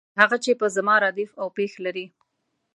هغه چې په زما ردیف او پیښ لري.